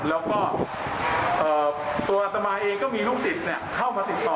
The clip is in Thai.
แล้วก็ตัวอัตมาเองก็มีลูกศิษย์เข้ามาติดต่อ